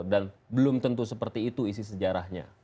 dan belum tentu seperti itu isi sejarahnya